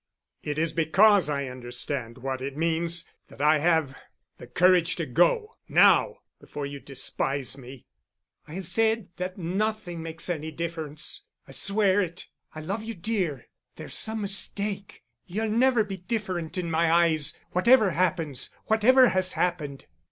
"It is because I understand what it means that I have—the courage to go—now—before you despise me." "I have said that nothing makes any difference. I swear it. I love you, dear. There's some mistake. You'll never be different in my eyes, whatever happens—whatever has happened."